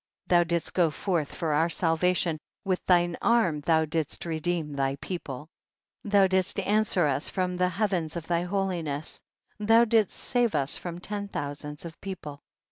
7. Thou didst go forth for our sal vation, with thine arm thou didst re deem thy people ; thou didst answer us from the heavens of thy holiness, thou didst save us from ten thousands of people.